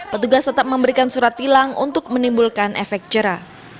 petugas tetap memberikan surat tilang untuk menimbulkan efek jerah